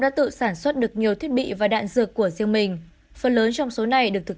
đã tự sản xuất được nhiều thiết bị và đạn dược của riêng mình phần lớn trong số này được thực